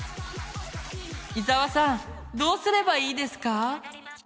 伊沢さんどうすればいいですか。